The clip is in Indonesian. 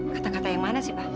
kata kata yang mana sih pak